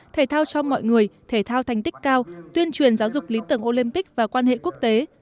thể thao cho mọi người thể thao thành tích cao tuyên truyền giáo dục lý tưởng olympic và quan hệ quốc tế